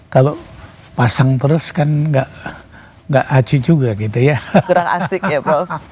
kalau pasang terus kan tidak asik juga